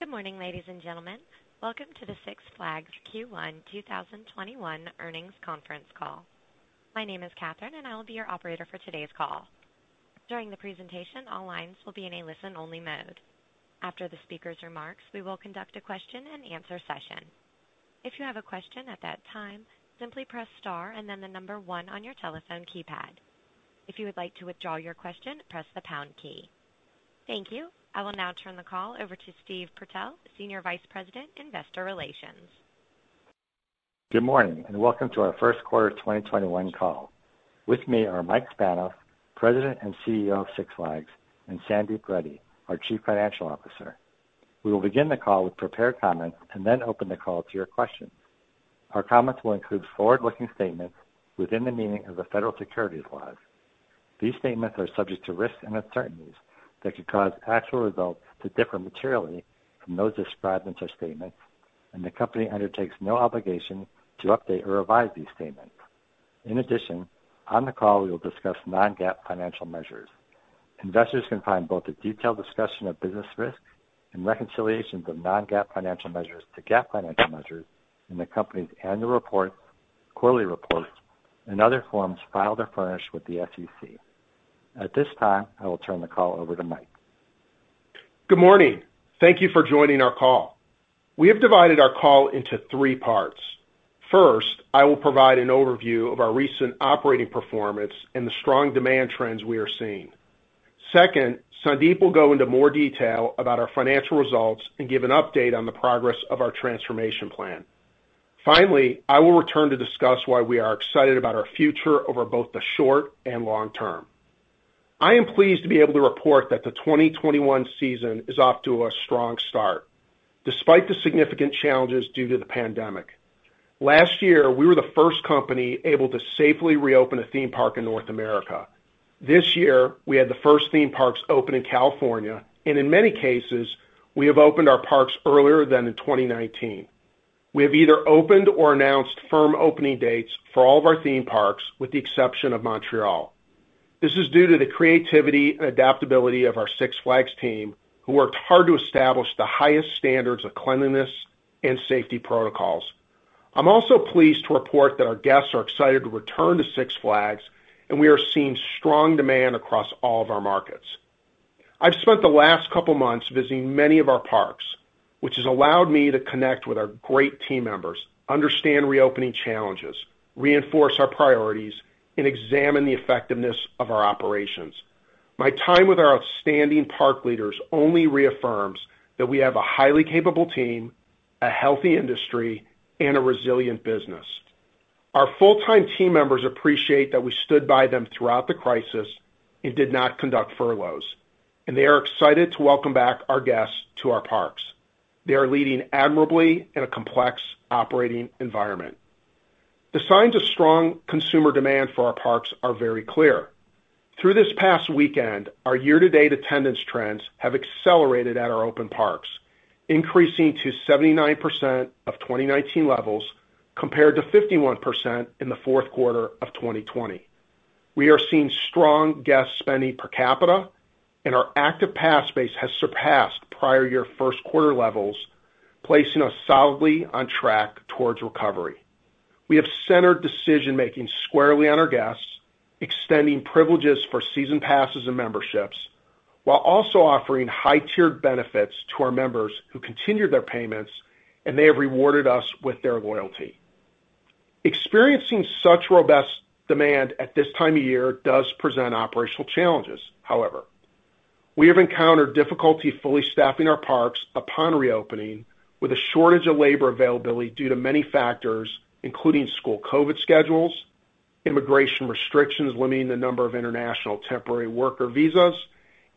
Good morning, ladies and gentlemen. Welcome to the Six Flags Q1 2021 earnings conference call. My name is Catherine, and I will be your operator for today's call. During the presentation, all lines will be in a listen-only mode. After the speaker's remarks, we will conduct a question and answer session. If you have a question at that time, simply press star and then the number one on your telephone keypad. If you would like to withdraw your question, press the pound key. Thank you. I will now turn the call over to Steve Purtell, Senior Vice President, Investor Relations. Good morning, and welcome to our first quarter 2021 call. With me are Mike Spanos, President and CEO of Six Flags, and Sandeep Reddy, our Chief Financial Officer. We will begin the call with prepared comments and then open the call to your questions. Our comments will include forward-looking statements within the meaning of the federal securities laws. These statements are subject to risks and uncertainties that could cause actual results to differ materially from those described in such statements, and the company undertakes no obligation to update or revise these statements. In addition, on the call, we will discuss non-GAAP financial measures. Investors can find both a detailed discussion of business risks and reconciliations of non-GAAP financial measures to GAAP financial measures in the company's annual reports, quarterly reports, and other forms filed or furnished with the SEC. At this time, I will turn the call over to Mike. Good morning. Thank you for joining our call. We have divided our call into three parts. First, I will provide an overview of our recent operating performance and the strong demand trends we are seeing. Second, Sandeep will go into more detail about our financial results and give an update on the progress of our transformation plan. Finally, I will return to discuss why we are excited about our future over both the short and long term. I am pleased to be able to report that the 2021 season is off to a strong start despite the significant challenges due to the pandemic. Last year, we were the first company able to safely reopen a theme park in North America. This year, we had the first theme parks open in California, and in many cases, we have opened our parks earlier than in 2019. We have either opened or announced firm opening dates for all of our theme parks, with the exception of Montreal. This is due to the creativity and adaptability of our Six Flags team, who worked hard to establish the highest standards of cleanliness and safety protocols. I'm also pleased to report that our guests are excited to return to Six Flags, and we are seeing strong demand across all of our markets. I've spent the last couple of months visiting many of our parks, which has allowed me to connect with our great team members, understand reopening challenges, reinforce our priorities, and examine the effectiveness of our operations. My time with our outstanding park leaders only reaffirms that we have a highly capable team, a healthy industry, and a resilient business. Our full-time team members appreciate that we stood by them throughout the crisis and did not conduct furloughs. They are excited to welcome back our guests to our parks. They are leading admirably in a complex operating environment. The signs of strong consumer demand for our parks are very clear. Through this past weekend, our year-to-date attendance trends have accelerated at our open parks, increasing to 79% of 2019 levels, compared to 51% in the fourth quarter of 2020. We are seeing strong guest spending per capita. Our active pass base has surpassed prior year first quarter levels, placing us solidly on track towards recovery. We have centered decision-making squarely on our guests, extending privileges for season passes and memberships, while also offering high-tiered benefits to our members who continued their payments. They have rewarded us with their loyalty. Experiencing such robust demand at this time of year does present operational challenges, however. We have encountered difficulty fully staffing our parks upon reopening with a shortage of labor availability due to many factors, including school COVID schedules, immigration restrictions limiting the number of international temporary worker visas,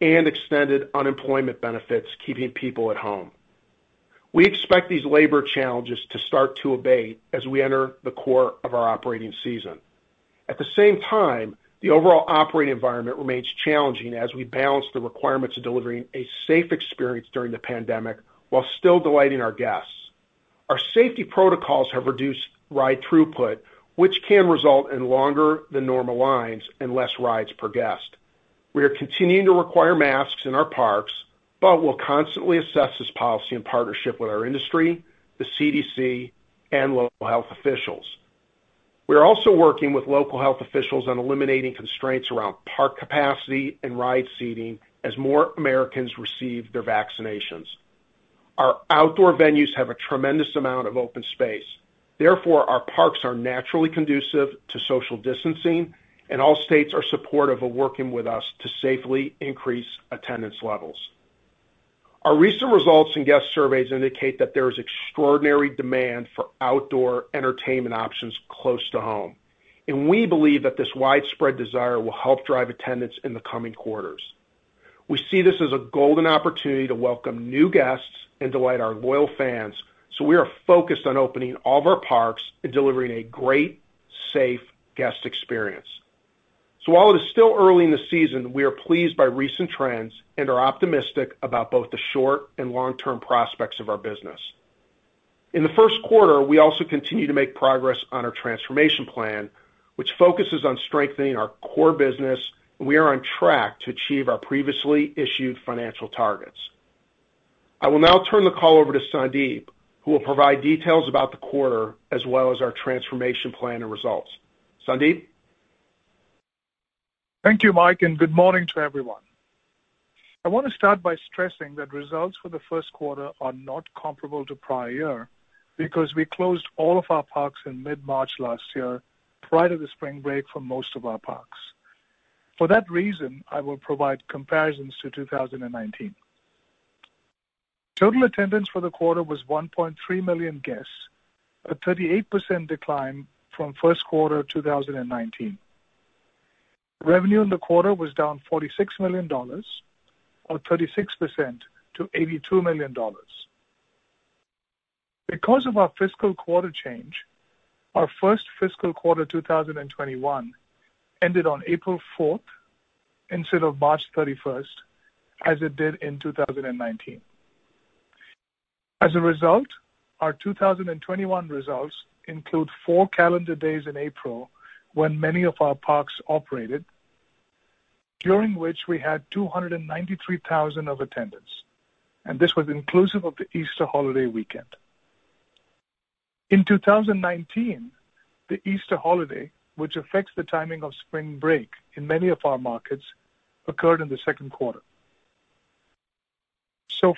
and extended unemployment benefits keeping people at home. We expect these labor challenges to start to abate as we enter the core of our operating season. At the same time, the overall operating environment remains challenging as we balance the requirements of delivering a safe experience during the pandemic while still delighting our guests. Our safety protocols have reduced ride throughput, which can result in longer than normal lines and less rides per guest. We are continuing to require masks in our parks but will constantly assess this policy in partnership with our industry, the CDC, and local health officials. We are also working with local health officials on eliminating constraints around park capacity and ride seating as more Americans receive their vaccinations. Our outdoor venues have a tremendous amount of open space. Therefore, our parks are naturally conducive to social distancing, and all states are supportive of working with us to safely increase attendance levels. Our recent results and guest surveys indicate that there is extraordinary demand for outdoor entertainment options close to home, and we believe that this widespread desire will help drive attendance in the coming quarters. We see this as a golden opportunity to welcome new guests and delight our loyal fans, so we are focused on opening all of our parks and delivering a great, safe guest experience. While it is still early in the season, we are pleased by recent trends and are optimistic about both the short and long-term prospects of our business. In the first quarter, we also continued to make progress on our transformation plan, which focuses on strengthening our core business, and we are on track to achieve our previously issued financial targets. I will now turn the call over to Sandeep, who will provide details about the quarter as well as our transformation plan and results. Sandeep? Thank you, Mike, and good morning to everyone. I want to start by stressing that results for the first quarter are not comparable to prior year, because we closed all of our parks in mid-March last year, prior to the spring break for most of our parks. For that reason, I will provide comparisons to 2019. Total attendance for the quarter was 1.3 million guests, a 38% decline from first quarter 2019. Revenue in the quarter was down $46 million, or 36% to $82 million. Because of our fiscal quarter change, our first fiscal quarter 2021 ended on April 4th instead of March 31st, as it did in 2019. As a result, our 2021 results include four calendar days in April when many of our parks operated, during which we had 293,000 of attendance, and this was inclusive of the Easter holiday weekend. In 2019, the Easter holiday, which affects the timing of spring break in many of our markets, occurred in the second quarter.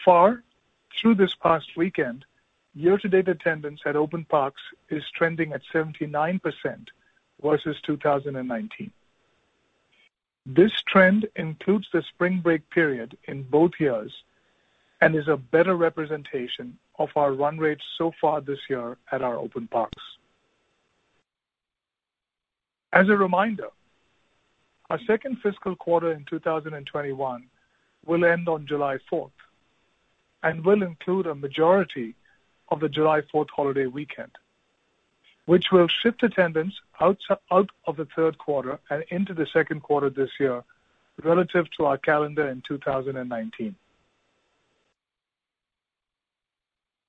Far, through this past weekend, year-to-date attendance at open parks is trending at 79% versus 2019. This trend includes the spring break period in both years and is a better representation of our run rates so far this year at our open parks. As a reminder, our second fiscal quarter in 2021 will end on July 4th and will include a majority of the July 4th holiday weekend, which will shift attendance out of the third quarter and into the second quarter this year relative to our calendar in 2019.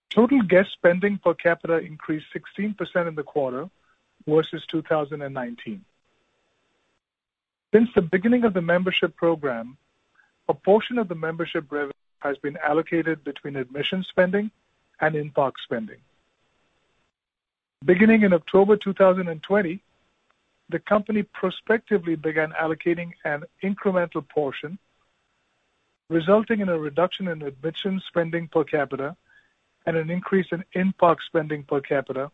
Total guest spending per capita increased 16% in the quarter versus 2019. Since the beginning of the membership program, a portion of the membership revenue has been allocated between admission spending and in-park spending. Beginning in October 2020, the company prospectively began allocating an incremental portion, resulting in a reduction in admission spending per capita and an increase in in-park spending per capita,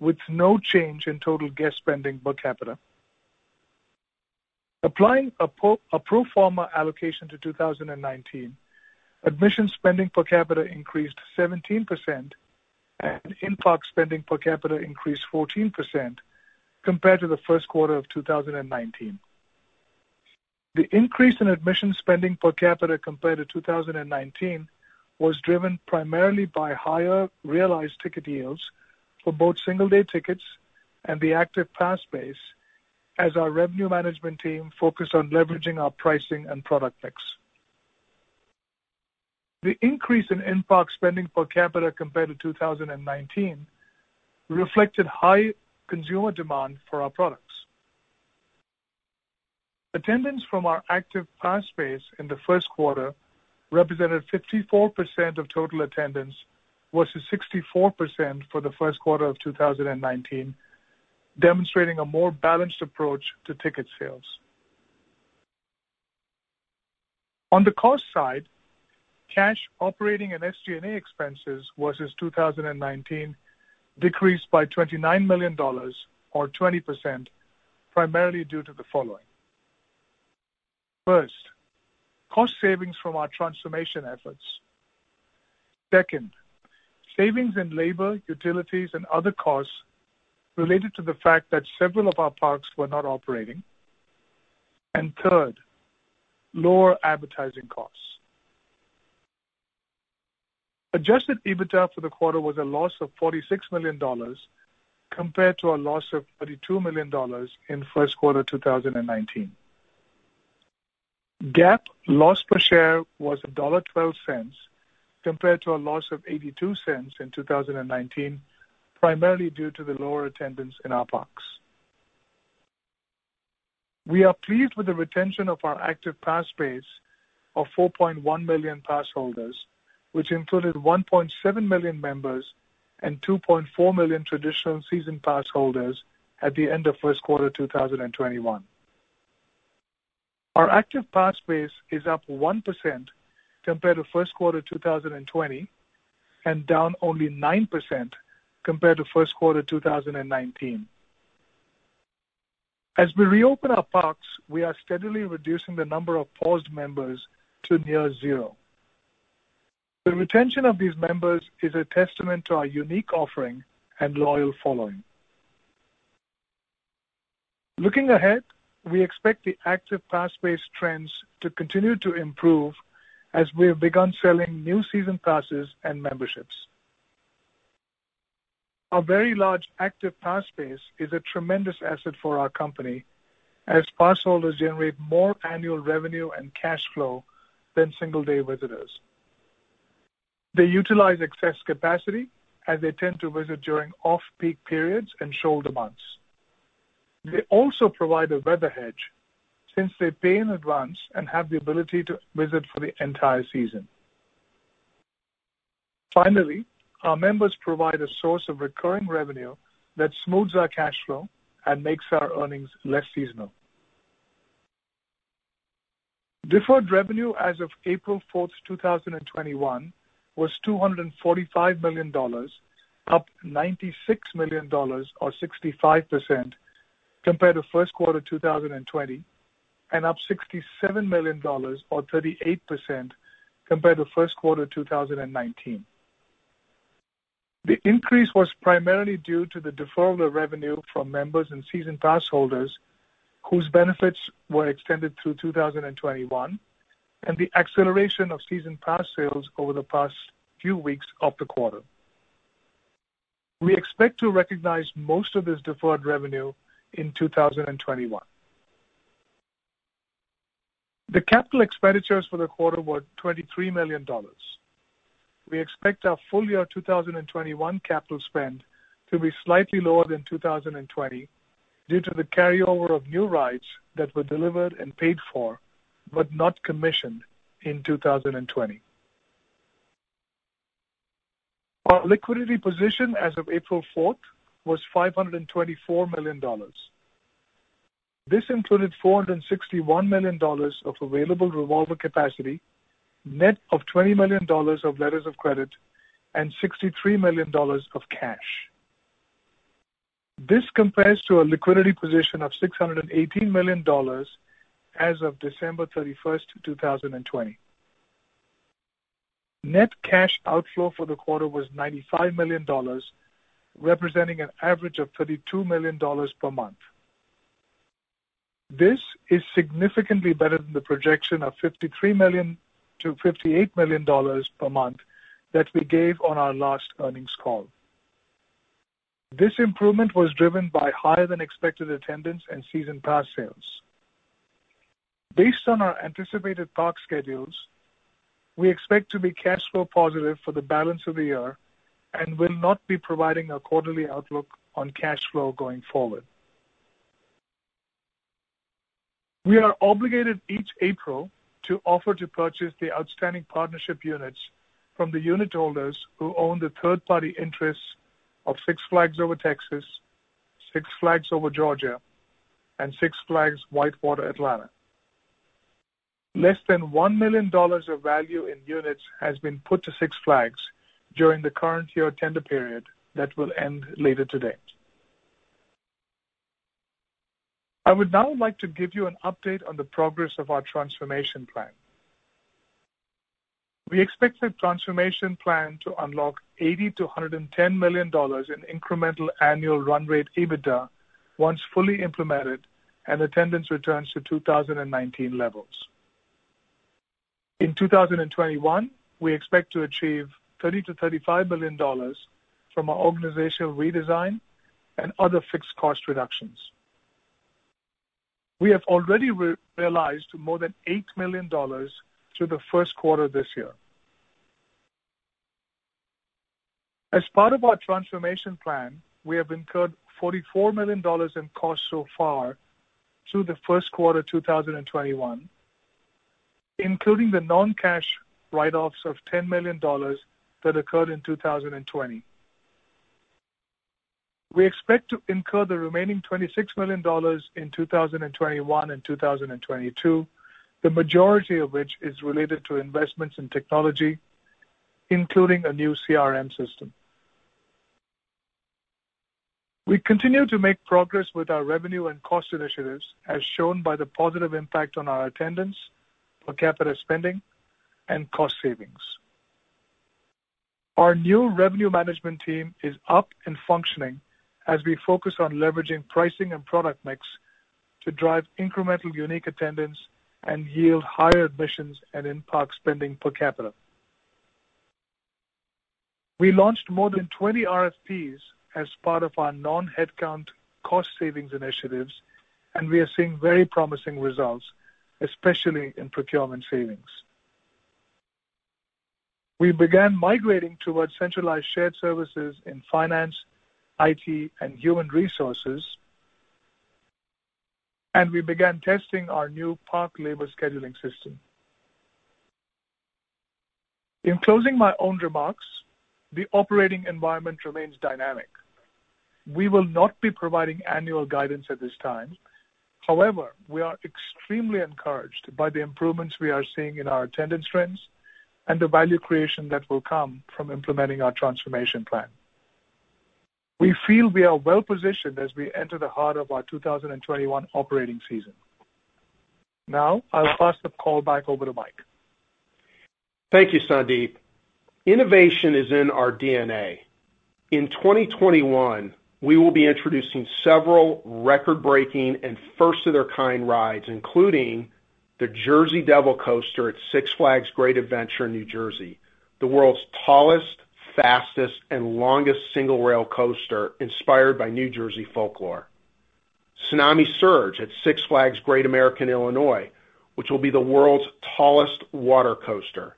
with no change in total guest spending per capita. Applying a pro forma allocation to 2019, admission spending per capita increased 17% and in-park spending per capita increased 14% compared to the first quarter of 2019. The increase in admission spending per capita compared to 2019 was driven primarily by higher realized ticket yields for both single-day tickets and the active pass base as our revenue management team focused on leveraging our pricing and product mix. The increase in in-park spending per capita compared to 2019 reflected high consumer demand for our products. Attendance from our active pass base in the first quarter represented 54% of total attendance, versus 64% for the first quarter of 2019, demonstrating a more balanced approach to ticket sales. On the cost side, cash, operating and SG&A expenses versus 2019 decreased by $29 million, or 20%, primarily due to the following. First, cost savings from our transformation efforts. Second, savings in labor, utilities, and other costs related to the fact that several of our parks were not operating. Third, lower advertising costs. Adjusted EBITDA for the quarter was a loss of $46 million compared to a loss of $32 million in first quarter 2019. GAAP loss per share was $1.12 compared to a loss of $0.82 in 2019, primarily due to the lower attendance in our parks. We are pleased with the retention of our active pass base of 4.1 million pass holders, which included 1.7 million members and 2.4 million traditional season pass holders at the end of first quarter 2021. Our active pass base is up 1% compared to first quarter 2020 and down only 9% compared to first quarter 2019. As we reopen our parks, we are steadily reducing the number of paused members to near zero. The retention of these members is a testament to our unique offering and loyal following. Looking ahead, we expect the active pass base trends to continue to improve as we have begun selling new season passes and memberships. Our very large active pass base is a tremendous asset for our company as pass holders generate more annual revenue and cash flow than single-day visitors. They utilize excess capacity as they tend to visit during off-peak periods and shoulder months. They also provide a weather hedge since they pay in advance and have the ability to visit for the entire season. Finally, our members provide a source of recurring revenue that smooths our cash flow and makes our earnings less seasonal. Deferred revenue as of April 4th, 2021, was $245 million, up $96 million or 65% compared to first quarter 2020, and up $67 million or 38% compared to first quarter 2019. The increase was primarily due to the deferral of revenue from members and season pass holders whose benefits were extended through 2021, and the acceleration of season pass sales over the past few weeks of the quarter. We expect to recognize most of this deferred revenue in 2021. The capital expenditures for the quarter were $23 million. We expect our full-year 2021 capital spend to be slightly lower than 2020 due to the carryover of new rides that were delivered and paid for but not commissioned in 2020. Our liquidity position as of April 4th was $524 million. This included $461 million of available revolver capacity, net of $20 million of letters of credit and $63 million of cash. This compares to a liquidity position of $618 million as of December 31st, 2020. Net cash outflow for the quarter was $95 million, representing an average of $32 million per month. This is significantly better than the projection of $53 million-$58 million per month that we gave on our last earnings call. This improvement was driven by higher-than-expected attendance and season pass sales. Based on our anticipated park schedules, we expect to be cash flow positive for the balance of the year and will not be providing a quarterly outlook on cash flow going forward. We are obligated each April to offer to purchase the outstanding partnership units from the unit holders who own the third-party interests of Six Flags Over Texas, Six Flags Over Georgia, and Six Flags White Water, Atlanta. Less than $1 million of value in units has been put to Six Flags during the current year tender period that will end later today. I would now like to give you an update on the progress of our transformation plan. We expect the transformation plan to unlock $80 million-$110 million in incremental annual run rate EBITDA once fully implemented and attendance returns to 2019 levels. In 2021, we expect to achieve $30 million-$35 million from our organizational redesign and other fixed cost reductions. We have already realized more than $8 million through the first quarter of this year. As part of our transformation plan, we have incurred $44 million in costs so far through the first quarter 2021, including the non-cash write-offs of $10 million that occurred in 2020. We expect to incur the remaining $26 million in 2021 and 2022, the majority of which is related to investments in technology, including a new CRM system. We continue to make progress with our revenue and cost initiatives, as shown by the positive impact on our attendance, per capita spending, and cost savings. Our new revenue management team is up and functioning as we focus on leveraging pricing and product mix to drive incremental unique attendance and yield higher admissions and in-park spending per capita. We launched more than 20 RFPs as part of our non-headcount cost savings initiatives, and we are seeing very promising results, especially in procurement savings. We began migrating towards centralized shared services in finance, IT, and human resources, and we began testing our new park labor scheduling system. In closing my own remarks, the operating environment remains dynamic. We will not be providing annual guidance at this time. However, we are extremely encouraged by the improvements we are seeing in our attendance trends and the value creation that will come from implementing our transformation plan. We feel we are well-positioned as we enter the heart of our 2021 operating season. Now, I will pass the call back over to Mike. Thank you, Sandeep. Innovation is in our DNA. In 2021, we will be introducing several record-breaking and first-of-their-kind rides, including The Jersey Devil Coaster at Six Flags Great Adventure in New Jersey, the world's tallest, fastest, and longest single-rail coaster inspired by New Jersey folklore. Tsunami Surge at Six Flags Great America in Illinois, which will be the world's tallest water coaster.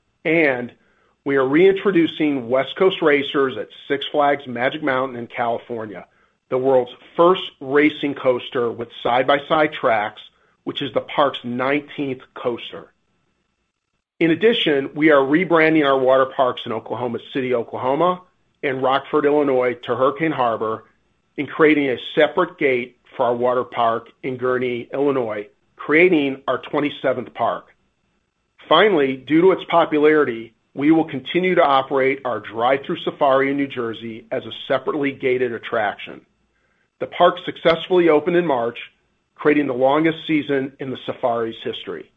We are reintroducing West Coast Racers at Six Flags Magic Mountain in California, the world's first racing coaster with side-by-side tracks, which is the park's 19th coaster. We are rebranding our water parks in Oklahoma City, Oklahoma, and Rockford, Illinois, to Hurricane Harbor and creating a separate gate for our water park in Gurnee, Illinois, creating our 27th park. Finally, due to its popularity, we will continue to operate our drive-thru safari in New Jersey as a separately gated attraction. The park successfully opened in March, creating the longest season in the safari's history.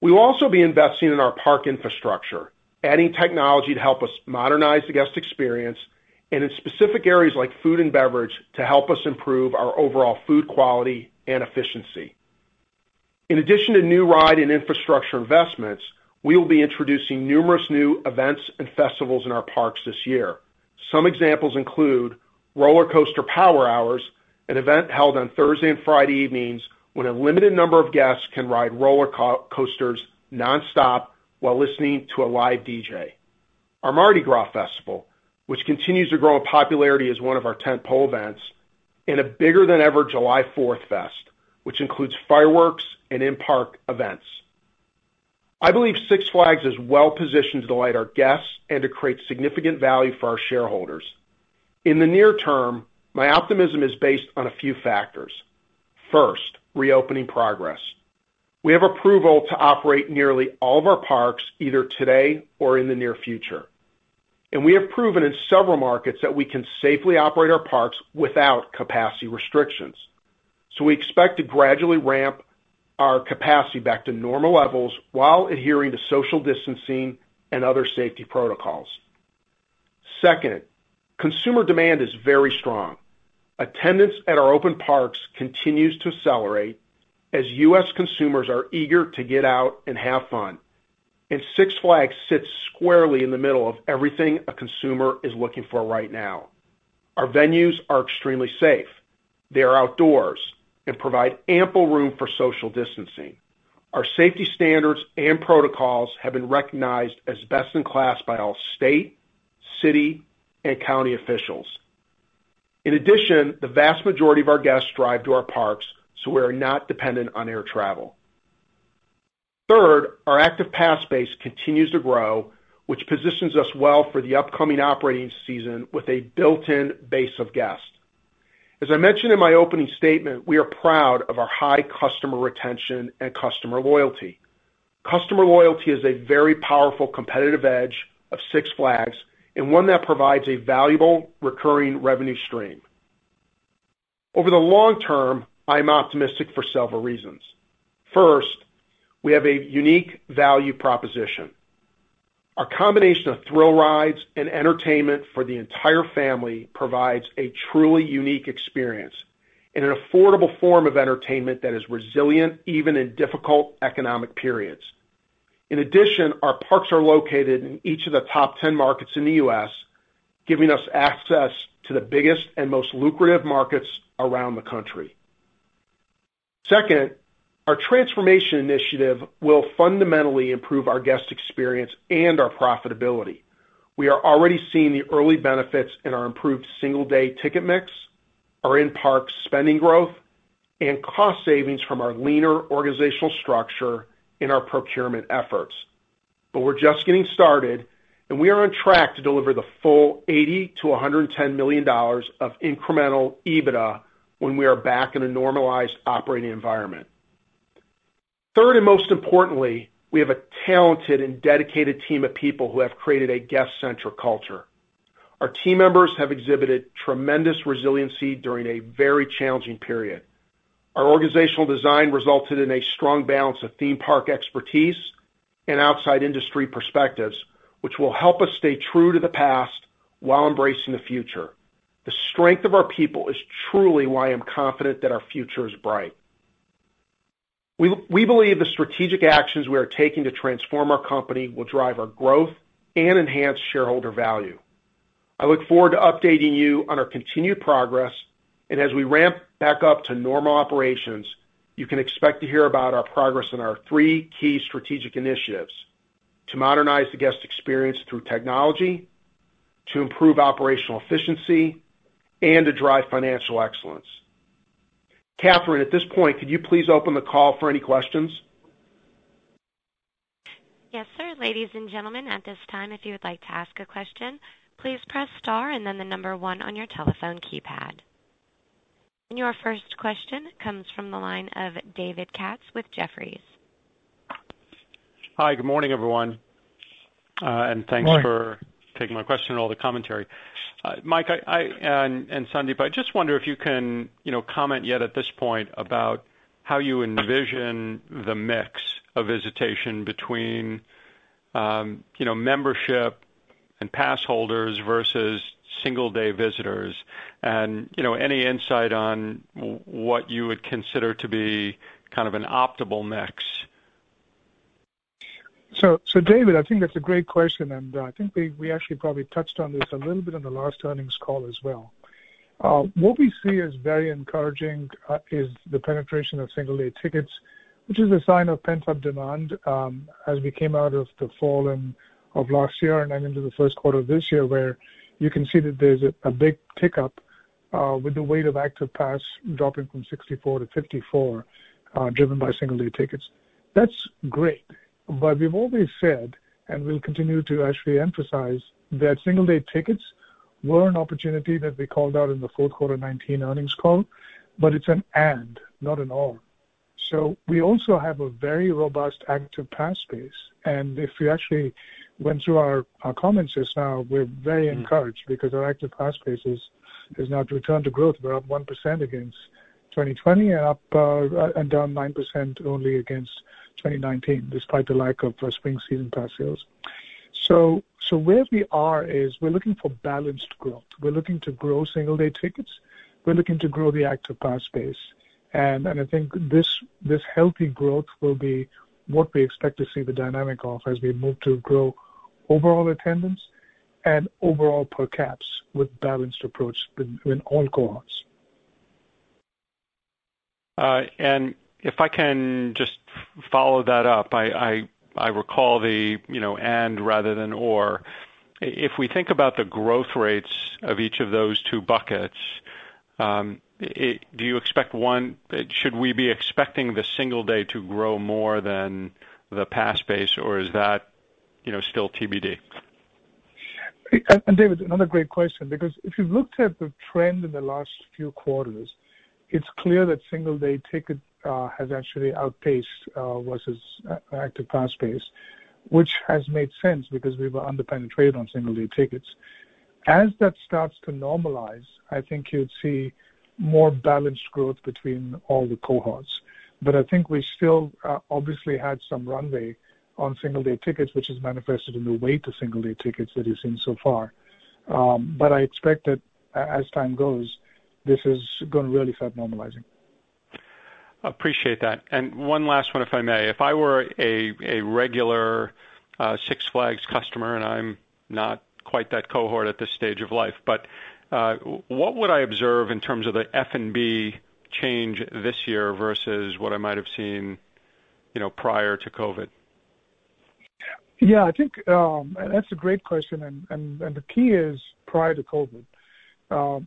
We will also be investing in our park infrastructure, adding technology to help us modernize the guest experience, and in specific areas like food and beverage to help us improve our overall food quality and efficiency. In addition to new ride and infrastructure investments, we will be introducing numerous new events and festivals in our parks this year. Some examples include Roller Coaster Power Hours, an event held on Thursday and Friday evenings when a limited number of guests can ride roller coasters nonstop while listening to a live DJ. Our Mardi Gras Festival, which continues to grow in popularity as one of our tentpole events, and a bigger-than-ever July 4th Fest, which includes fireworks and in-park events. I believe Six Flags is well-positioned to delight our guests and to create significant value for our shareholders. In the near term, my optimism is based on a few factors. First, reopening progress. We have approval to operate nearly all of our parks either today or in the near future, and we have proven in several markets that we can safely operate our parks without capacity restrictions. We expect to gradually ramp our capacity back to normal levels while adhering to social distancing and other safety protocols. Second, consumer demand is very strong. Attendance at our open parks continues to accelerate as U.S. consumers are eager to get out and have fun, and Six Flags sits squarely in the middle of everything a consumer is looking for right now. Our venues are extremely safe. They are outdoors and provide ample room for social distancing. Our safety standards and protocols have been recognized as best in class by all state, city, and county officials. In addition, the vast majority of our guests drive to our parks, so we are not dependent on air travel. Third, our active pass base continues to grow, which positions us well for the upcoming operating season with a built-in base of guests. As I mentioned in my opening statement, we are proud of our high customer retention and customer loyalty. Customer loyalty is a very powerful competitive edge of Six Flags and one that provides a valuable recurring revenue stream. Over the long term, I am optimistic for several reasons. First, we have a unique value proposition. Our combination of thrill rides and entertainment for the entire family provides a truly unique experience and an affordable form of entertainment that is resilient even in difficult economic periods. In addition, our parks are located in each of the top 10 markets in the U.S., giving us access to the biggest and most lucrative markets around the country. Second, our transformation initiative will fundamentally improve our guest experience and our profitability. We are already seeing the early benefits in our improved single-day ticket mix, our in-park spending growth, and cost savings from our leaner organizational structure in our procurement efforts. We're just getting started, and we are on track to deliver the full $80-$110 million of incremental EBITDA when we are back in a normalized operating environment. Third, and most importantly, we have a talented and dedicated team of people who have created a guest-centric culture. Our team members have exhibited tremendous resiliency during a very challenging period. Our organizational design resulted in a strong balance of theme park expertise and outside industry perspectives, which will help us stay true to the past while embracing the future. The strength of our people is truly why I'm confident that our future is bright. We believe the strategic actions we are taking to transform our company will drive our growth and enhance shareholder value. I look forward to updating you on our continued progress, and as we ramp back up to normal operations, you can expect to hear about our progress in our three key strategic initiatives: to modernize the guest experience through technology, to improve operational efficiency, and to drive financial excellence. Catherine, at this point, could you please open the call for any questions? Yes, sir. Ladies and gentlemen, at this time, if you would like to ask a question, please press star and then the number one on your telephone keypad. Your first question comes from the line of David Katz with Jefferies. Hi. Good morning, everyone. Good morning. Thanks for taking my question and all the commentary. Mike and Sandeep, I just wonder if you can comment yet at this point about how you envision the mix of visitation between membership and pass holders versus single-day visitors. Any insight on what you would consider to be kind of an optimal mix? David, I think that's a great question, and I think we actually probably touched on this a little bit in the last earnings call as well. What we see as very encouraging is the penetration of single-day tickets, which is a sign of pent-up demand as we came out of the fall of last year and then into the first quarter of this year, where you can see that there's a big pickup with the weight of active pass dropping from 64 to 54, driven by single-day tickets. That's great, we've always said, and we'll continue to actually emphasize, that single-day tickets were an opportunity that we called out in the fourth quarter 2019 earnings call, but it's an and, not an or. We also have a very robust active pass base. If you actually went through our comments just now, we're very encouraged because our active pass base has now returned to growth. We're up 1% against 2020, and down 9% only against 2019, despite the lack of spring season pass sales. Where we are is we're looking for balanced growth. We're looking to grow single-day tickets. We're looking to grow the active pass base. I think this healthy growth will be what we expect to see the dynamic of as we move to grow overall attendance and overall per caps with balanced approach in all cohorts. If I can just follow that up, I recall the and rather than or. If we think about the growth rates of each of those two buckets, should we be expecting the single day to grow more than the pass base, or is that still TBD? David, another great question, because if you looked at the trend in the last few quarters, it's clear that single-day ticket has actually outpaced versus active pass base, which has made sense because we were under-penetrated on single-day tickets. As that starts to normalize, I think you'd see more balanced growth between all the cohorts. But I think we still obviously had some runway on single-day tickets, which has manifested in the weight of single-day tickets that you've seen so far. But I expect that as time goes, this is going to really start normalizing. Appreciate that. One last one, if I may. If I were a regular Six Flags customer, and I'm not quite that cohort at this stage of life, what would I observe in terms of the F&B change this year versus what I might have seen prior to COVID? I think that's a great question. The key is prior to COVID.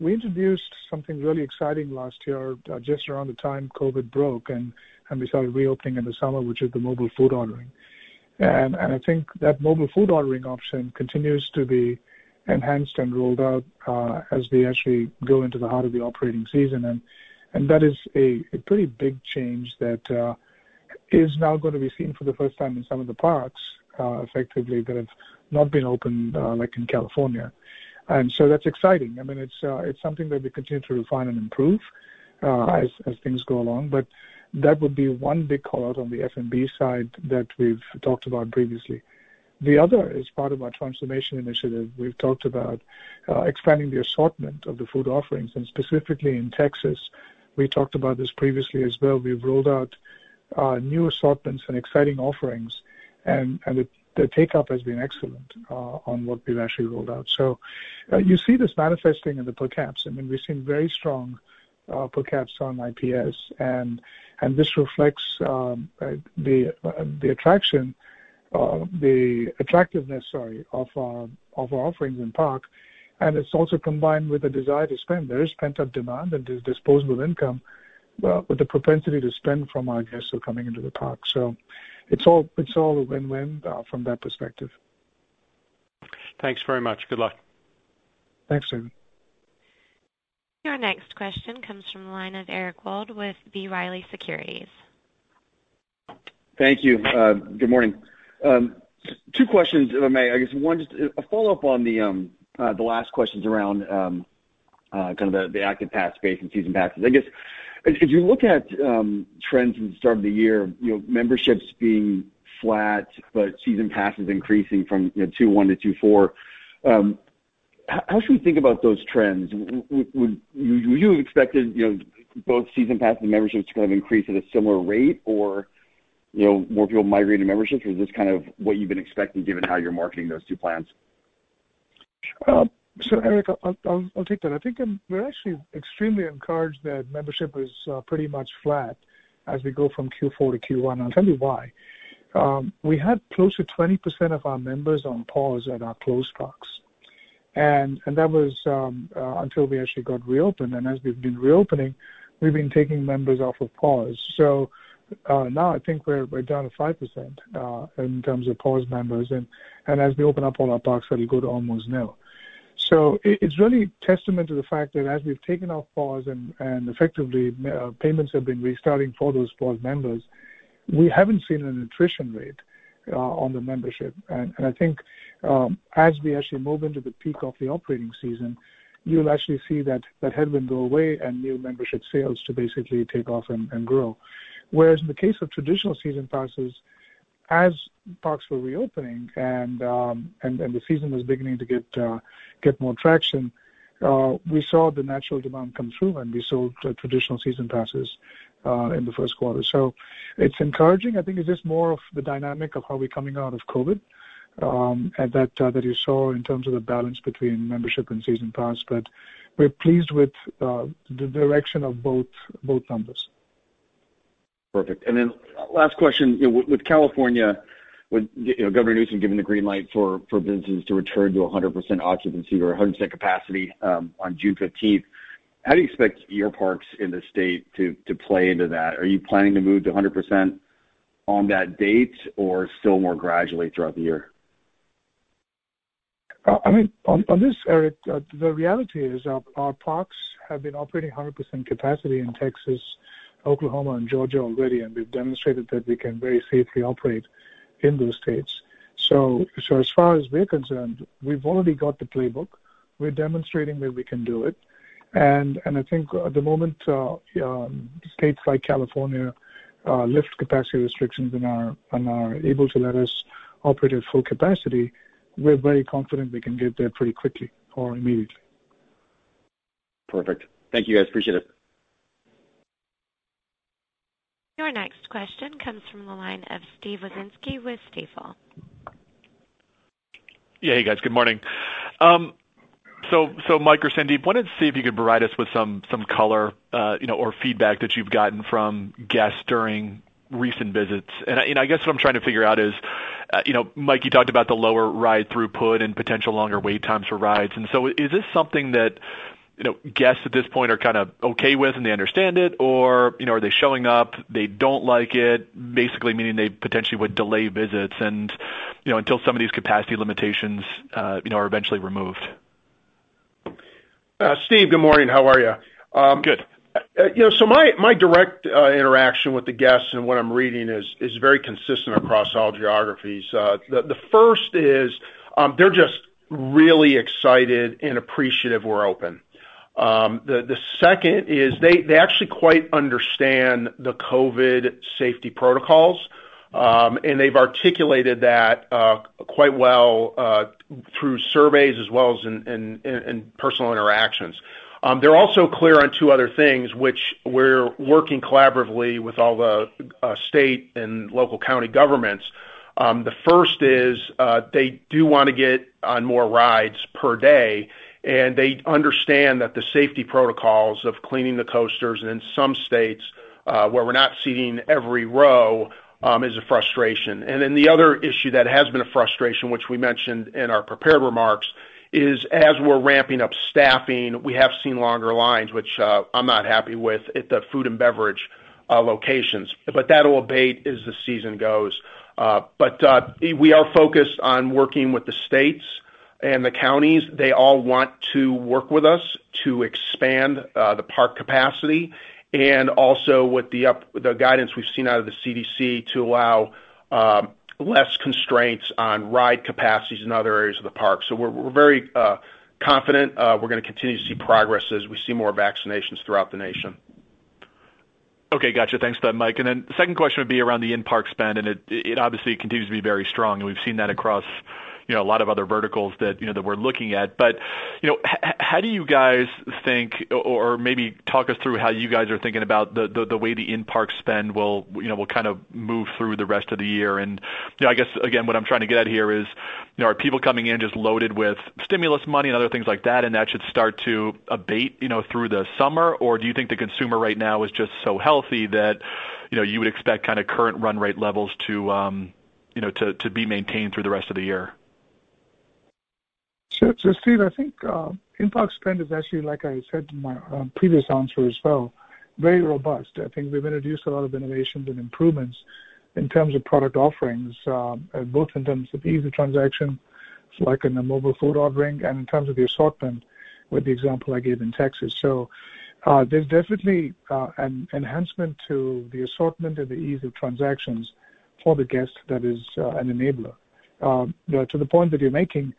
We introduced something really exciting last year, just around the time COVID broke, and we started reopening in the summer, which is the mobile food ordering. I think that mobile food ordering option continues to be enhanced and rolled out as we actually go into the heart of the operating season. That is a pretty big change that is now going to be seen for the first time in some of the parks effectively that have not been opened, like in California. That's exciting. It's something that we continue to refine and improve as things go along. That would be one big call-out on the F&B side that we've talked about previously. The other is part of our transformation initiative. We've talked about expanding the assortment of the food offerings, and specifically in Texas, we talked about this previously as well. We've rolled out new assortments and exciting offerings, and the take-up has been excellent on what we've actually rolled out. You see this manifesting in the per caps. We're seeing very strong per caps on IPS, and this reflects the attractiveness of our offerings in park, and it's also combined with the desire to spend. There is pent-up demand and there's disposable income, with the propensity to spend from our guests who are coming into the park. It's all a win-win from that perspective. Thanks very much. Good luck. Thanks, David. Your next question comes from the line of Eric Wold with B. Riley Securities. Thank you. Good morning. Two questions, if I may. I guess one, just a follow-up on the last questions around kind of the active pass base and season passes. I guess if you look at trends from the start of the year, memberships being flat, but season passes increasing from Q1 to Q4. How should we think about those trends? Would you have expected both season pass and memberships to kind of increase at a similar rate or more people migrating memberships? Or is this kind of what you've been expecting given how you're marketing those two plans? Eric, I'll take that. I think we're actually extremely encouraged that membership is pretty much flat as we go from Q4 to Q1. I'll tell you why. We had close to 20% of our members on pause at our closed parks. That was until we actually got reopened. As we've been reopening, we've been taking members off of pause. Now I think we're down to 5% in terms of paused members. As we open up all our parks, that'll go to almost nil. It's really testament to the fact that as we've taken off pause and effectively payments have been restarting for those paused members, we haven't seen an attrition rate on the membership. I think as we actually move into the peak of the operating season, you'll actually see that headwind go away and new membership sales to basically take off and grow. Whereas in the case of traditional season passes. As parks were reopening and the season was beginning to get more traction, we saw the natural demand come through and we sold traditional season passes in the first quarter. It's encouraging. I think it's just more of the dynamic of how we're coming out of COVID, that you saw in terms of the balance between membership and season pass. We're pleased with the direction of both numbers. Perfect. Last question. With California, with Governor Newsom giving the green light for businesses to return to 100% occupancy or 100% capacity on June 15th, how do you expect your parks in the state to play into that? Are you planning to move to 100% on that date or still more gradually throughout the year? On this, Eric, the reality is our parks have been operating 100% capacity in Texas, Oklahoma, and Georgia already, and we've demonstrated that we can very safely operate in those states. As far as we're concerned, we've already got the playbook. We're demonstrating that we can do it. I think at the moment, states like California lift capacity restrictions and are able to let us operate at full capacity. We're very confident we can get there pretty quickly or immediately. Perfect. Thank you, guys. Appreciate it. Your next question comes from the line of Steve Wieczynski with Stifel. Yeah. Hey, guys. Good morning. Mike or Sandeep, wanted to see if you could provide us with some color or feedback that you've gotten from guests during recent visits. I guess what I'm trying to figure out is, Mike, you talked about the lower ride throughput and potential longer wait times for rides. Is this something that guests at this point are kind of okay with and they understand it? Are they showing up, they don't like it, basically meaning they potentially would delay visits until some of these capacity limitations are eventually removed? Steve, good morning. How are you? Good. My direct interaction with the guests and what I'm reading is very consistent across all geographies. The first is, they're just really excited and appreciative we're open. The second is they actually quite understand the COVID safety protocols, and they've articulated that quite well through surveys as well as in personal interactions. They're also clear on two other things which we're working collaboratively with all the state and local county governments. The first is, they do want to get on more rides per day, and they understand that the safety protocols of cleaning the coasters and in some states where we're not seating every row is a frustration. The other issue that has been a frustration, which we mentioned in our prepared remarks, is as we're ramping up staffing, we have seen longer lines, which I'm not happy with at the food and beverage locations. That'll abate as the season goes. We are focused on working with the states and the counties. They all want to work with us to expand the park capacity and also with the guidance we've seen out of the CDC to allow less constraints on ride capacities in other areas of the park. We're very confident we're going to continue to see progress as we see more vaccinations throughout the nation. Okay. Got you. Thanks for that, Mike. The second question would be around the in-park spend, and it obviously continues to be very strong, and we've seen that across a lot of other verticals that we're looking at. How do you guys think, or maybe talk us through how you guys are thinking about the way the in-park spend will kind of move through the rest of the year. I guess, again, what I'm trying to get at here is, are people coming in just loaded with stimulus money and other things like that and that should start to abate through the summer? Do you think the consumer right now is just so healthy that you would expect kind of current run rate levels to be maintained through the rest of the year? Steve, I think in-park spend is actually, like I said in my previous answer as well, very robust. I think we've introduced a lot of innovations and improvements in terms of product offerings, both in terms of ease of transaction, like in the mobile food ordering, and in terms of the assortment with the example I gave in Texas. There's definitely an enhancement to the assortment and the ease of transactions for the guest that is an enabler. To the point that you're making,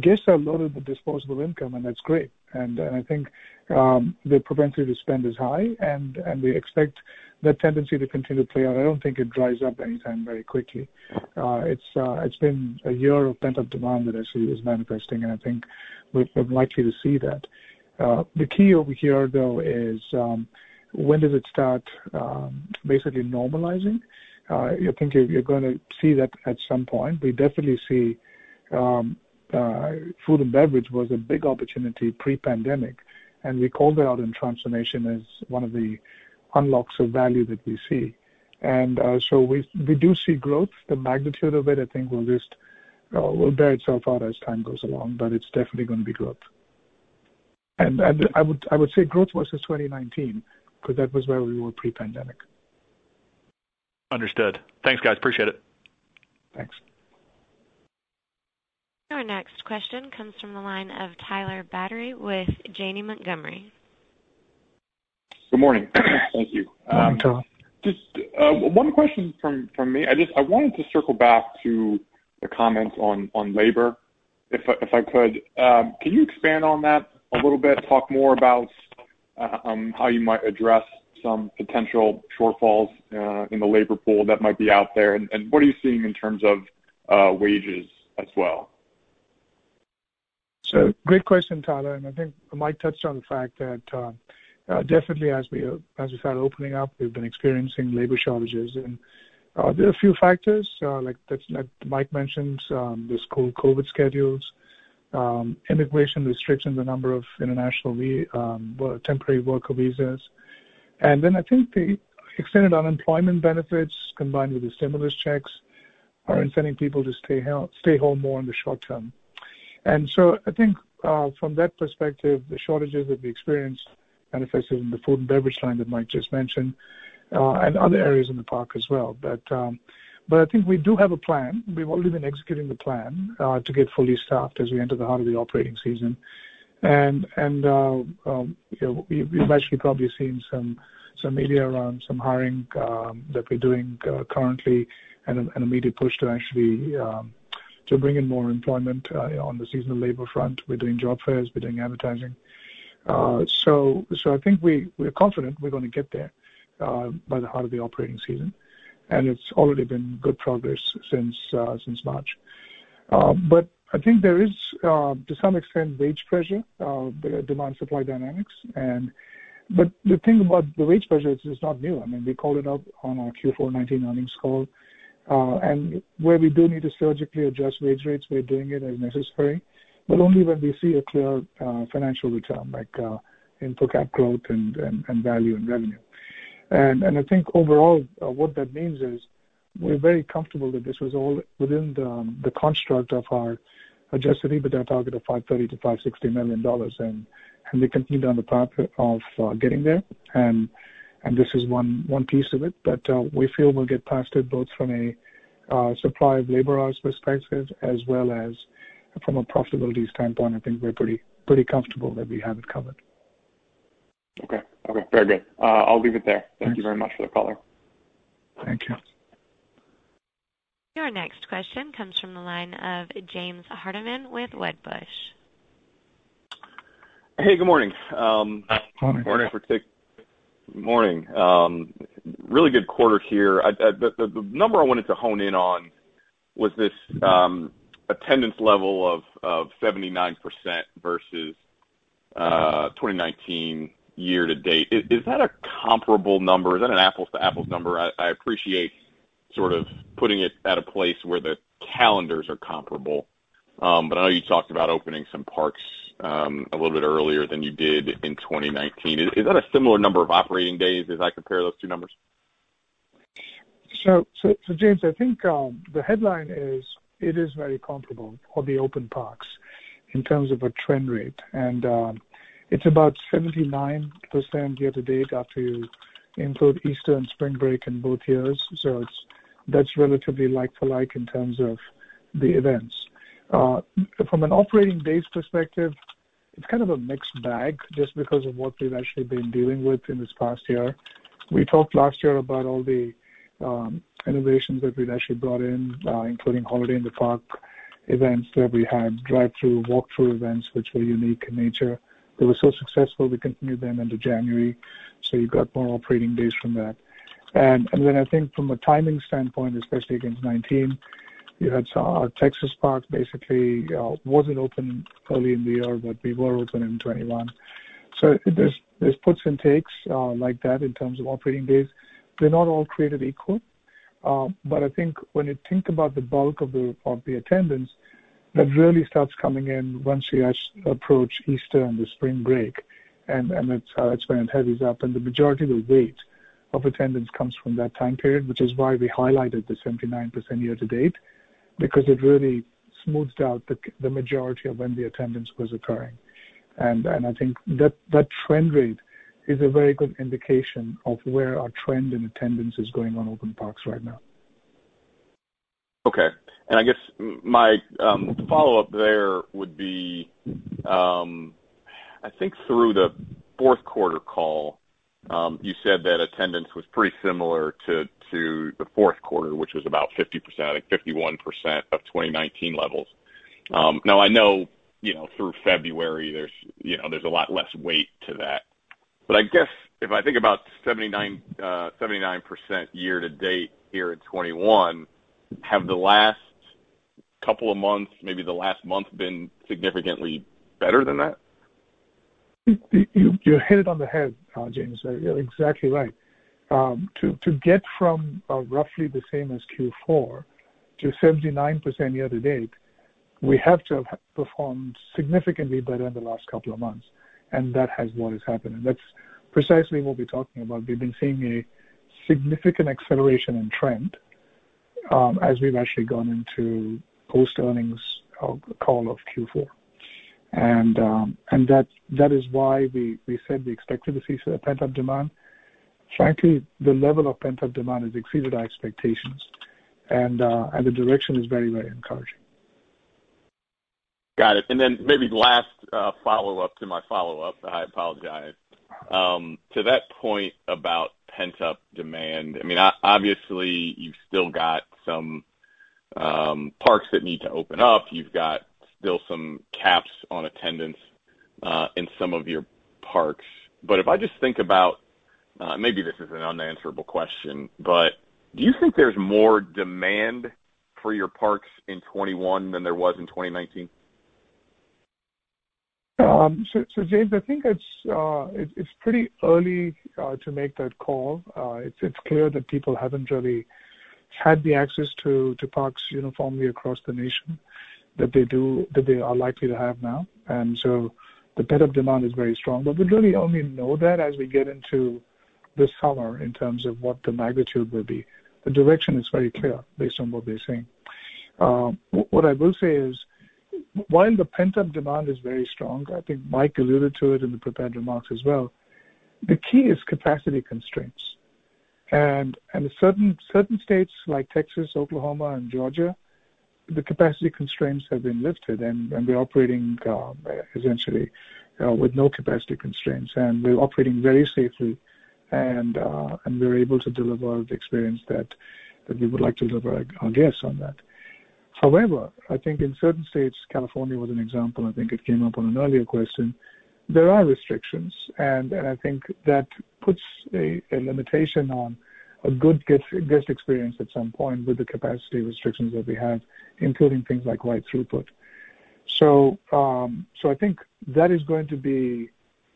guests are loaded with disposable income, and that's great. I think their propensity to spend is high, and we expect that tendency to continue to play out. I don't think it dries up anytime very quickly. It's been a year of pent-up demand that actually is manifesting, and I think we're likely to see that. The key over here, though, is when does it start basically normalizing? I think you're going to see that at some point. We definitely see food and beverage was a big opportunity pre-pandemic, and we called it out in transformation as one of the unlocks of value that we see. We do see growth. The magnitude of it, I think, will bear itself out as time goes along, but it's definitely going to be growth. I would say growth versus 2019, because that was where we were pre-pandemic. Understood. Thanks, guys. Appreciate it. Thanks. Your next question comes from the line of Tyler Batory with Janney Montgomery. Good morning. Thank you. Morning, Tyler. Just one question from me. I wanted to circle back to the comments on labor, if I could. Can you expand on that a little bit? Talk more about how you might address some potential shortfalls in the labor pool that might be out there, and what are you seeing in terms of wages as well? Great question, Tyler, I think Mike touched on the fact that definitely as we start opening up, we've been experiencing labor shortages, and there are a few factors, like Mike mentioned, this COVID schedules, immigration restrictions, the number of international temporary worker visas. I think the extended unemployment benefits combined with the stimulus checks are inciting people to stay home more in the short term. I think from that perspective, the shortages that we experienced manifested in the food and beverage line that Mike just mentioned, and other areas in the park as well. I think we do have a plan. We've already been executing the plan to get fully staffed as we enter the heart of the operating season. You've actually probably seen some media around some hiring that we're doing currently and an immediate push to actually bring in more employment on the seasonal labor front. We're doing job fairs, we're doing advertising. I think we're confident we're going to get there by the heart of the operating season, and it's already been good progress since March. I think there is, to some extent, wage pressure, demand supply dynamics. The thing about the wage pressure, it's not new. I mean, we called it out on our Q4 2019 earnings call. Where we do need to surgically adjust wage rates, we're doing it as necessary, but only when we see a clear financial return, like in per cap growth and value and revenue. I think overall what that means is we're very comfortable that this was all within the construct of our adjusted EBITDA target of $530 million-$560 million, and we continue down the path of getting there. This is one piece of it, but we feel we'll get past it both from a supply of labor hours perspective as well as from a profitability standpoint. I think we're pretty comfortable that we have it covered. Okay. Very good. I'll leave it there. Thanks. Thank you very much for the color. Thank you. Your next question comes from the line of James Hardiman with Wedbush. Hey, good morning. Morning. Morning. Really good quarter here. The number I wanted to hone in on was this attendance level of 79% versus 2019 year to date. Is that a comparable number? Is that an apples-to-apples number? I appreciate sort of putting it at a place where the calendars are comparable. I know you talked about opening some parks a little bit earlier than you did in 2019. Is that a similar number of operating days as I compare those two numbers? James, I think the headline is, it is very comparable for the open parks in terms of a trend rate, and it's about 79% year-to-date after you include Easter and spring break in both years. That's relatively like to like in terms of the events. From an operating days perspective, it's kind of a mixed bag just because of what we've actually been dealing with in this past year. We talked last year about all the innovations that we've actually brought in, including Holiday in the Park events that we had, drive through, walk through events, which were unique in nature. They were so successful, we continued them into January, you got more operating days from that. I think from a timing standpoint, especially against 2019, you had our Texas park basically wasn't open early in the year, but we were open in 2021. There's puts and takes like that in terms of operating days. They're not all created equal. I think when you think about the bulk of the attendance, that really starts coming in once you approach Easter and the spring break, and that's when it heavies up. The majority of the weight of attendance comes from that time period, which is why we highlighted the 79% year-to-date, because it really smoothed out the majority of when the attendance was occurring. I think that trend rate is a very good indication of where our trend in attendance is going on open parks right now. Okay. I guess my follow-up there would be, I think through the fourth quarter call, you said that attendance was pretty similar to the fourth quarter, which was about 50%, I think 51% of 2019 levels. I know through February there's a lot less weight to that. I guess if I think about 79% year-to-date here in 2021, have the last couple of months, maybe the last month, been significantly better than that? You hit it on the head, James. You're exactly right. To get from roughly the same as Q4 to 79% year-to-date, we have to have performed significantly better in the last couple of months, and that is what has happened, and that's precisely what we're talking about. We've been seeing a significant acceleration in trend as we've actually gone into post earnings call of Q4. That is why we said we expected to see some pent-up demand. Frankly, the level of pent-up demand has exceeded our expectations, and the direction is very encouraging. Got it. Maybe last follow-up to my follow-up. I apologize. To that point about pent-up demand, I mean, obviously you've still got some parks that need to open up. You've got still some caps on attendance in some of your parks. If I just think about, maybe this is an unanswerable question, but do you think there's more demand for your parks in 2021 than there was in 2019? James, I think it's pretty early to make that call. It's clear that people haven't really had the access to parks uniformly across the nation that they are likely to have now. The pent-up demand is very strong. We really only know that as we get into this summer in terms of what the magnitude will be. The direction is very clear based on what we're seeing. What I will say is, while the pent-up demand is very strong, I think Mike alluded to it in the prepared remarks as well, the key is capacity constraints. Certain states like Texas, Oklahoma, and Georgia, the capacity constraints have been lifted, and we're operating essentially with no capacity constraints, and we're operating very safely. We're able to deliver the experience that we would like to deliver our guests on that. I think in certain states, California was an example, I think it came up on an earlier question, there are restrictions, and I think that puts a limitation on a good guest experience at some point with the capacity restrictions that we have, including things like ride throughput. I think that is going to be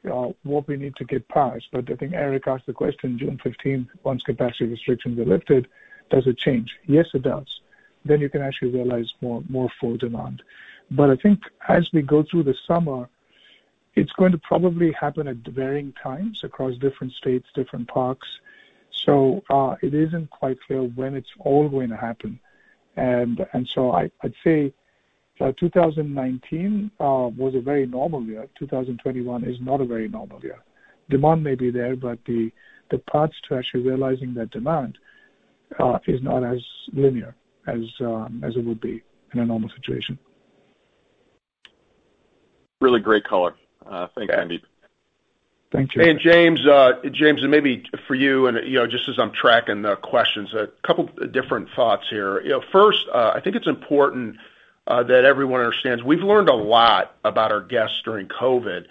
what we need to get past. I think Eric asked the question, June 15th, once capacity restrictions are lifted, does it change? Yes, it does. You can actually realize more full demand. I think as we go through the summer, it's going to probably happen at varying times across different states, different parks. It isn't quite clear when it's all going to happen. I'd say 2019 was a very normal year. 2021 is not a very normal year. Demand may be there, the parts to actually realizing that demand is not as linear as it would be in a normal situation. Really great color. Thanks, Sandeep. Thank you. James, maybe for you, just as I'm tracking the questions, a couple different thoughts here. First, I think it's important that everyone understands we've learned a lot about our guests during COVID,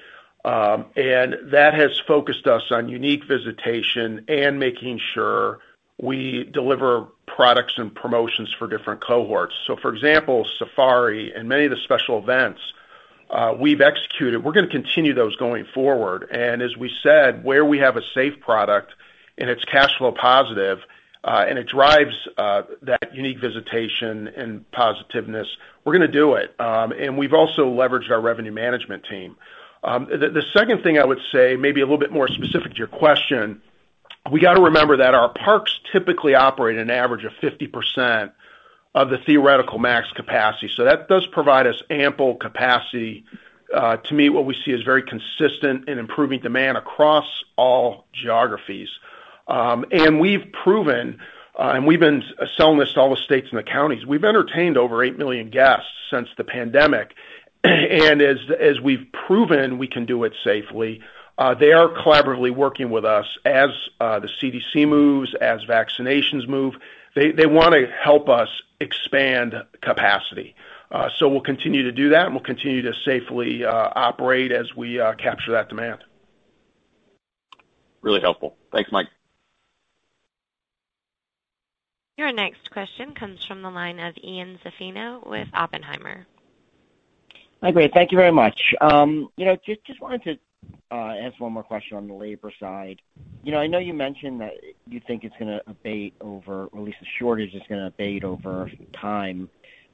and that has focused us on unique visitation and making sure we deliver products and promotions for different cohorts. For example, Safari and many of the special events we've executed, we're going to continue those going forward. As we said, where we have a safe product and it's cash flow positive, and it drives that unique visitation and positiveness, we're going to do it. We've also leveraged our revenue management team. The second thing I would say, maybe a little bit more specific to your question, we got to remember that our parks typically operate an average of 50% of the theoretical max capacity. That does provide us ample capacity to meet what we see as very consistent in improving demand across all geographies. We've proven, and we've been selling this to all the states and the counties, we've entertained over 8 million guests since the pandemic. As we've proven we can do it safely, they are collaboratively working with us as the CDC moves, as vaccinations move. They want to help us expand capacity. We'll continue to do that, and we'll continue to safely operate as we capture that demand. Really helpful. Thanks, Mike. Your next question comes from the line of Ian Zaffino with Oppenheimer. Hi, great. Thank you very much. Just wanted to ask one more question on the labor side. I know you mentioned that you think it's going to abate over, or at least the shortage is going to abate over time.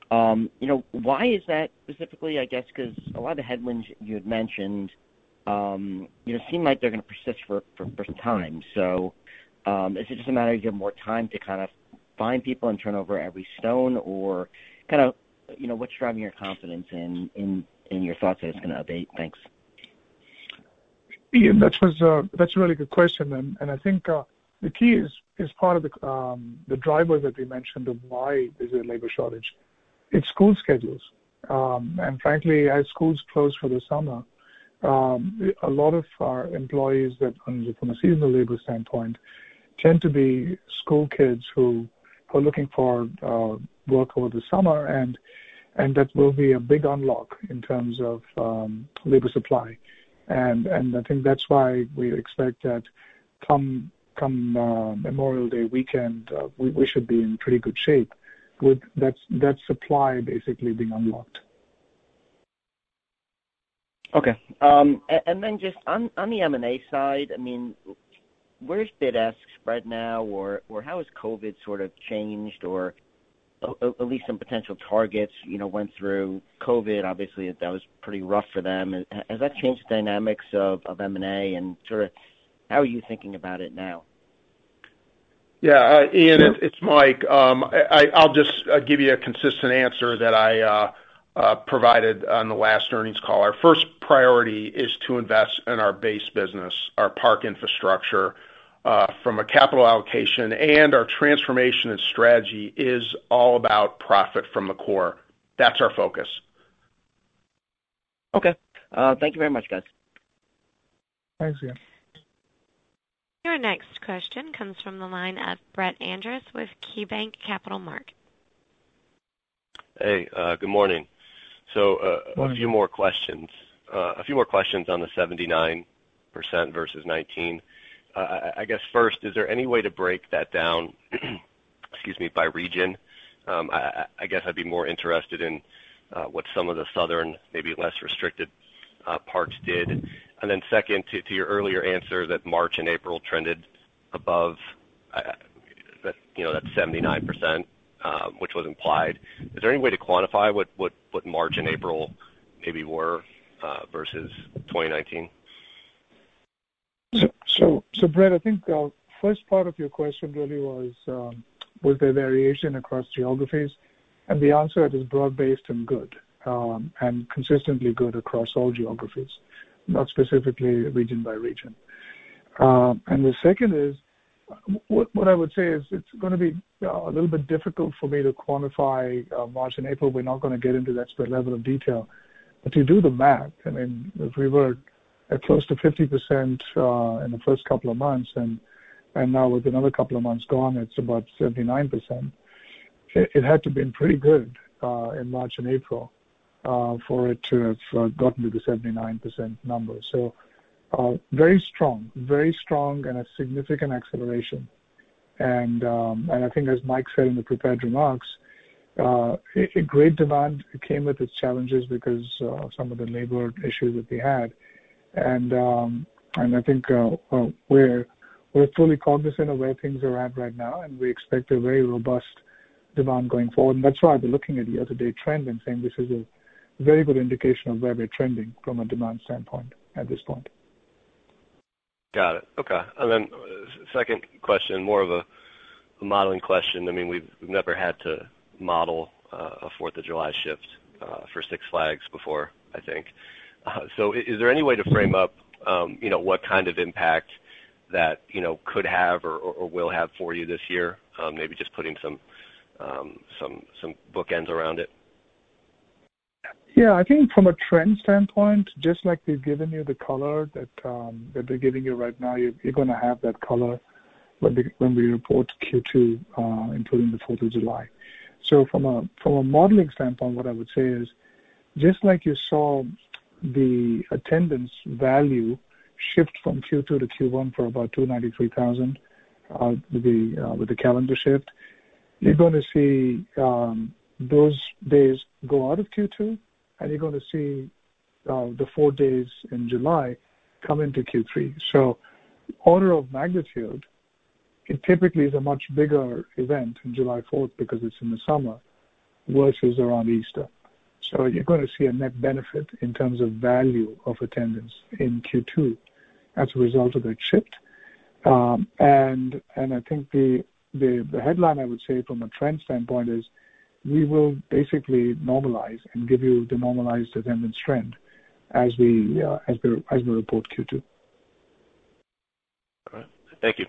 Why is that specifically, I guess, because a lot of the headwinds you had mentioned seem like they're going to persist for some time. Is it just a matter of you have more time to kind of find people and turn over every stone? Or what's driving your confidence in your thoughts that it's going to abate? Thanks. Ian, that's a really good question. I think the key is part of the driver that we mentioned of why is there a labor shortage. It's school schedules. Frankly, as schools close for the summer, a lot of our employees that, from a seasonal labor standpoint, tend to be school kids who are looking for work over the summer, and that will be a big unlock in terms of labor supply. I think that's why we expect that come Memorial Day weekend, we should be in pretty good shape with that supply basically being unlocked. Okay. Then just on the M&A side, I mean, where is bid-ask right now, or how has COVID sort of changed or at least some potential targets went through COVID, obviously, that was pretty rough for them. Has that changed the dynamics of M&A and sort of how are you thinking about it now? Yeah. Ian, it's Mike. I'll just give you a consistent answer that I provided on the last earnings call. Our first priority is to invest in our base business, our park infrastructure from a capital allocation, and our transformation and strategy is all about profit from the core. That's our focus. Okay. Thank you very much, guys. Thanks again. Your next question comes from the line of Brett Andress with KeyBanc Capital Markets. Hey, good morning. A few more questions on the 79% versus 19. I guess first, is there any way to break that down excuse me, by region? I guess I'd be more interested in what some of the southern, maybe less restricted parts did. Second, to your earlier answer that March and April trended above that 79%, which was implied. Is there any way to quantify what March and April maybe were, versus 2019? Brett, I think the first part of your question really was there variation across geographies? The answer is broad-based and good, and consistently good across all geographies, not specifically region by region. The second is, what I would say is it's gonna be a little bit difficult for me to quantify March and April. We're not gonna get into that split level of detail. If you do the math, if we were at close to 50% in the first couple of months, and now with another couple of months gone, it's about 79%. It had to have been pretty good, in March and April, for it to have gotten to the 79% number. Very strong. Very strong and a significant acceleration. I think as Mike said in the prepared remarks, great demand came with its challenges because some of the labor issues that we had. I think we're fully cognizant of where things are at right now, and we expect a very robust demand going forward. That's why I've been looking at year-to-date trend and saying this is a very good indication of where we're trending from a demand standpoint at this point. Got it. Okay. Second question, more of a modeling question. We've never had to model a 4th of July shift for Six Flags before, I think. Is there any way to frame up what kind of impact that could have or will have for you this year? Maybe just putting some bookends around it. I think from a trend standpoint, just like we've given you the color that we're giving you right now, you're gonna have that color when we report Q2 including the 4th of July. From a modeling standpoint, what I would say is, just like you saw the attendance value shift from Q2 to Q1 for about 293,000 with the calendar shift, you're gonna see those days go out of Q2, and you're gonna see the four days in July come into Q3. Order of magnitude, it typically is a much bigger event in July 4th because it's in the summer versus around Easter. You're gonna see a net benefit in terms of value of attendance in Q2 as a result of that shift. I think the headline I would say from a trend standpoint is we will basically normalize and give you the normalized attendance trend as we report Q2. All right. Thank you.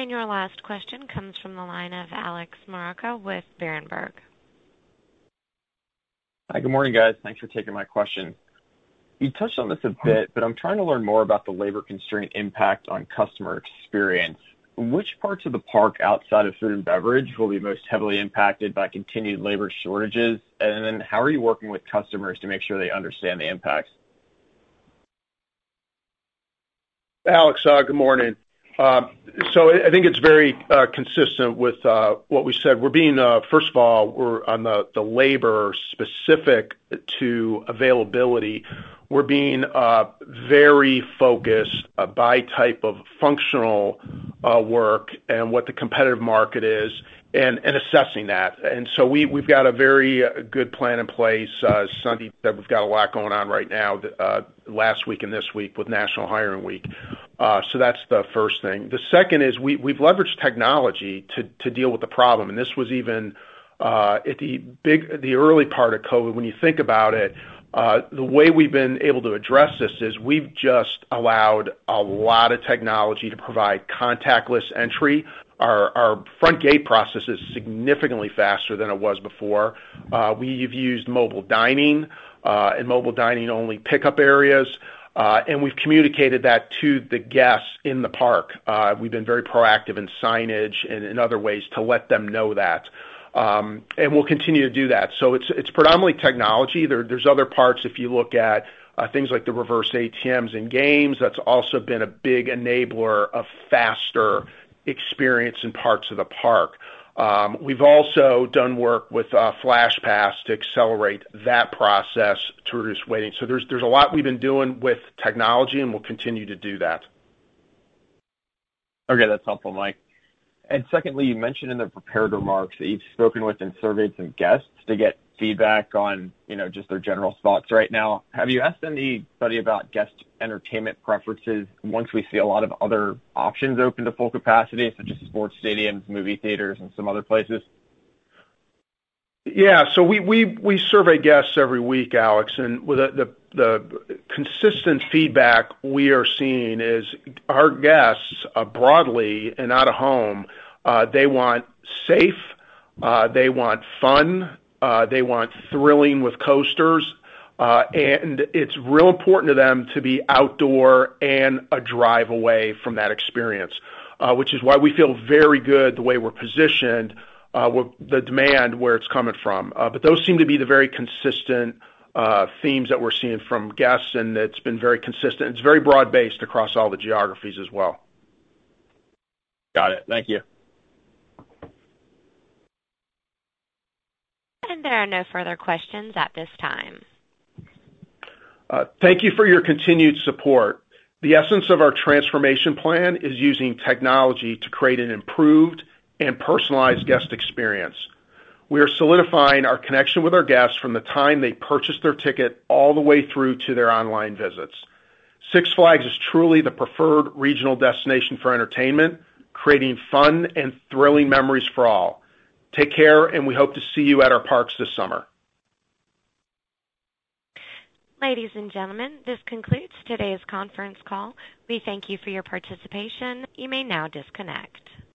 Welcome. Your last question comes from the line of Alex Maroccia with Berenberg. Hi. Good morning, guys. Thanks for taking my question. You touched on this a bit, but I'm trying to learn more about the labor constraint impact on customer experience. Which parts of the park outside of food and beverage will be most heavily impacted by continued labor shortages? How are you working with customers to make sure they understand the impacts? Alex, good morning. I think it's very consistent with what we said. First of all, on the labor specific to availability, we're being very focused by type of functional work and what the competitive market is and assessing that. We've got a very good plan in place. Sandeep said, we've got a lot going on right now, last week and this week with National Hiring Week. That's the first thing. The second is we've leveraged technology to deal with the problem, and this was even at the early part of COVID when you think about it. The way we've been able to address this is we've just allowed a lot of technology to provide contactless entry. Our front gate process is significantly faster than it was before. We've used mobile dining, and mobile dining only pickup areas, and we've communicated that to the guests in the park. We've been very proactive in signage and in other ways to let them know that. We'll continue to do that. It's predominantly technology. There's other parts, if you look at things like the reverse ATMs in games, that's also been a big enabler of faster experience in parts of the park. We've also done work with Flash Pass to accelerate that process to reduce waiting. There's a lot we've been doing with technology, and we'll continue to do that. Okay. That's helpful, Mike. Secondly, you mentioned in the prepared remarks that you've spoken with and surveyed some guests to get feedback on just their general thoughts right now. Have you asked anybody about guest entertainment preferences once we see a lot of other options open to full capacity, such as sports stadiums, movie theaters, and some other places? We survey guests every week, Alex, and the consistent feedback we are seeing is our guests, broadly and out of home, they want safe, they want fun, they want thrilling with coasters. It's real important to them to be outdoor and a drive away from that experience, which is why we feel very good the way we're positioned, the demand, where it's coming from. Those seem to be the very consistent themes that we're seeing from guests, and it's been very consistent. It's very broad-based across all the geographies as well. Got it. Thank you. There are no further questions at this time. Thank you for your continued support. The essence of our transformation plan is using technology to create an improved and personalized guest experience. We are solidifying our connection with our guests from the time they purchase their ticket all the way through to their online visits. Six Flags is truly the preferred regional destination for entertainment, creating fun and thrilling memories for all. Take care, and we hope to see you at our parks this summer. Ladies and gentlemen, this concludes today's conference call. We thank you for your participation. You may now disconnect.